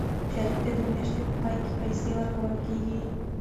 شریف ته د میاشتې په پای کې پیسې ورکول کېږي.